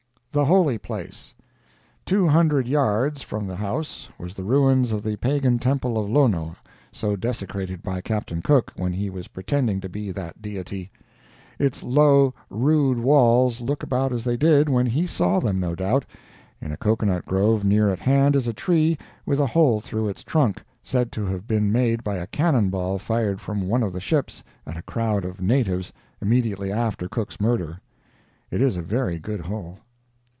THE HOLY PLACE Two hundred yards from the house was the ruins of the pagan temple of Lono, so desecrated by Captain Cook when he was pretending to be that deity. Its low, rude walls look about as they did when he saw them, no doubt. In a cocoa nut grove near at hand is a tree with a hole through its trunk, said to have been made by a cannon ball fired from one of the ships at a crowd of natives immediately after Cook's murder. It is a very good hole.